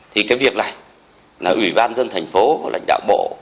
thì cái việc này là ủy ban nhân thành phố lãnh đạo bộ